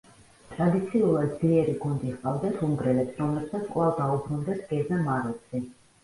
ტრადიციულად ძლიერი გუნდი ჰყავდათ უნგრელებს, რომლებსაც კვლავ დაუბრუნდათ გეზა მაროცი.